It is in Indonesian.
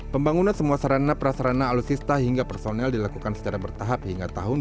pembangunan semua sarana prasarana alutsista hingga personel dilakukan secara bertahap hingga tahun dua ribu dua puluh